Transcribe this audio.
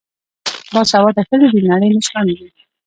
باسواده ښځې د نړۍ مشرانې دي.